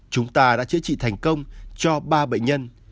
chúng ta đã chữa trị thành công cho ba bệnh nhân